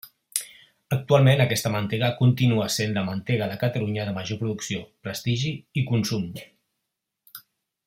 Actualment aquesta mantega continua sent la mantega de Catalunya de major producció, prestigi i consum.